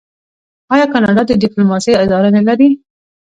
آیا کاناډا د ډیپلوماسۍ اداره نلري؟